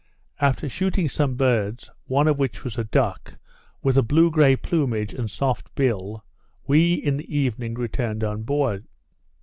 After shooting some birds, one of which was a duck, with a blue grey plumage and soft bill, we, in the evening, returned on board.